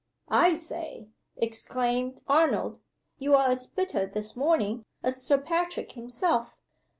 _" "I say!" exclaimed Arnold. "You're as bitter, this morning, as Sir Patrick himself.